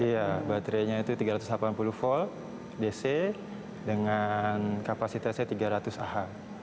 iya baterainya itu tiga ratus delapan puluh volt dc dengan kapasitasnya tiga ratus ah